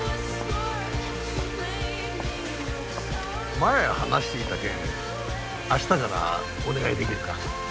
前話していた件明日からお願い出来るか？